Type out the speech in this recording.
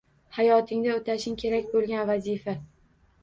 Hayotingda o'tashing kerak bo'lgan vazifa